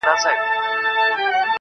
ستا دهر توري په لوستلو سره~